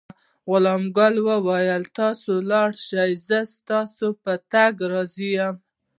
غلام ګل وویل: نه، تاسې ولاړ شئ، زه ستاسي په تګ راضي یم.